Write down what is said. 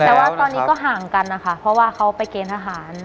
แต่ว่าตอนนี้ก็ห่างกันนะคะเพราะว่าเขาไปเกณฑ์ทหาร